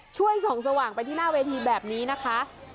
ช่วยส่องสว่างไปที่หน้าเวทีแบบนี้นะคะ